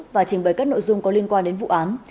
và trình bày các nội dung có liên quan đến vụ án